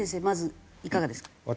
まずいかがですか？